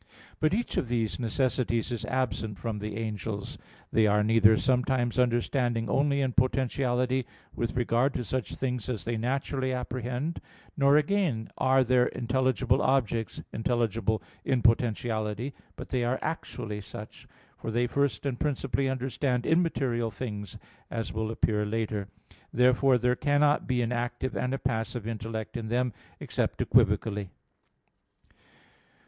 But each of these necessities is absent from the angels. They are neither sometimes understanding only in potentiality, with regard to such things as they naturally apprehend; nor, again, are their intelligible objects intelligible in potentiality, but they are actually such; for they first and principally understand immaterial things, as will appear later (Q. 84, A. 7; Q. 85, A. 1). Therefore there cannot be an active and a passive intellect in them, except equivocally.